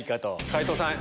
斎藤さん